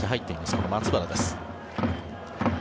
この松原です。